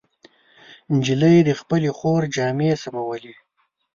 نجلۍ د خپلې خور جامې سمولې.